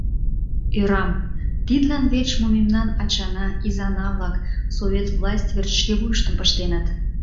Ӧрам, тидлан верч мо мемнан ачана, изана-влак Совет власть верч шке вуйыштым пыштеныт?